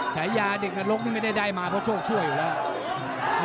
ฉายาเด็กนรกนี่ไม่ได้ได้มาเพราะโชคชั่วอยู่แล้ว